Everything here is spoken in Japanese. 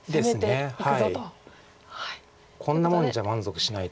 こんなもんじゃ満足しないと。